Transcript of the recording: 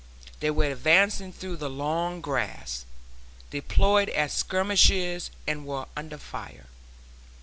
They were advancing through the long grass, deployed as skirmishers and were under fire.